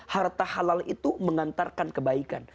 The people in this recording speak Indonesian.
harta halal itu mengantarkan kebaikan